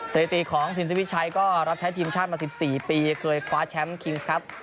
สถิติของสินทวิชัยก็รับใช้ทีมชาติมา๑๔ปีเคยคว้าแชมป์คิงส์ครับ